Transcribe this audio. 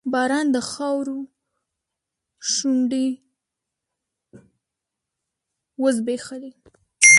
باران د خاورو شونډې وځبیښلې